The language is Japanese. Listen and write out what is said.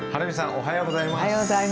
おはようございます。